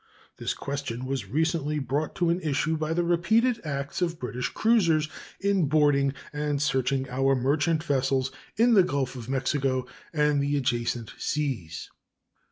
This question was recently brought to an issue by the repeated acts of British cruisers in boarding and searching our merchant vessels in the Gulf of Mexico and the adjacent seas.